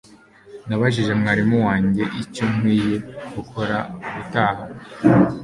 Nabajije mwarimu wanjye icyo nkwiye gukora ubutaha